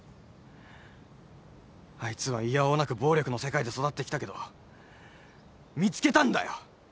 あいつはいや応なく暴力の世界で育ってきたけど見つけたんだよ。